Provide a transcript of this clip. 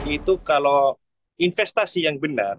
itu kalau investasi yang benar